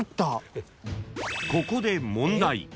［ここで問題］